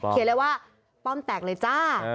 เลยว่าป้อมแตกเลยจ้า